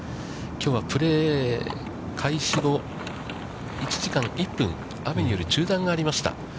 きょうは、プレー開始後、１時間１分、雨による中断がありました。